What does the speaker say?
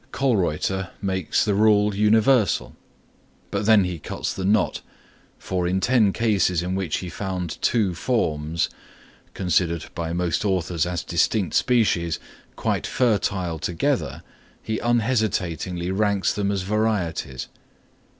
Kölreuter makes the rule universal; but then he cuts the knot, for in ten cases in which he found two forms, considered by most authors as distinct species, quite fertile together, he unhesitatingly ranks them as varieties.